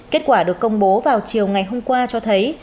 kết quả được công bố vào chiều ngày hôm qua cho thấy